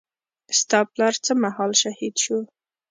ستا پلار څه مهال شهيد سو.